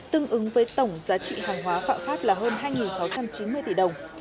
tương ứng với tổng giá trị hàng hóa phạm pháp là hơn hai sáu trăm chín mươi tỷ đồng